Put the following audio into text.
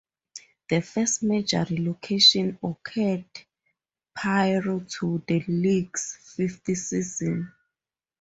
The first major relocation occurred prior to the league's fifth season.